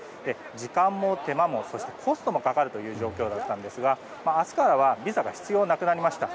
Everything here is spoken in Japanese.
時間も手間もコストもかかるという状況だったんですが明日からはビザが必要なくなりました。